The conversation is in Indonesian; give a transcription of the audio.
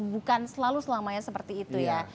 bukan selalu selamanya seperti itu ya